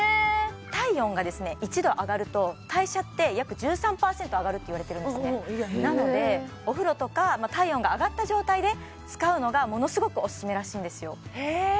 体温が１度上がると代謝って約１３％上がるっていわれてるんですねなのでお風呂とか体温が上がった状態で使うのがものすごくオススメらしいんですよ